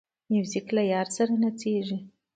موزیک له یار سره نڅېږي.